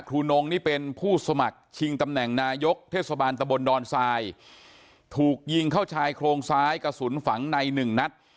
นงนี่เป็นผู้สมัครชิงตำแหน่งนายกเทศบาลตะบนดอนทรายถูกยิงเข้าชายโครงซ้ายกระสุนฝังในหนึ่งนัด